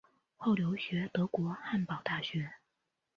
后留学德国汉堡大学。